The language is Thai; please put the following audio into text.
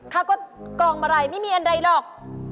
เขาก็กรองมาลัยไม่มีอะไรหรอก